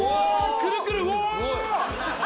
くるくるうわ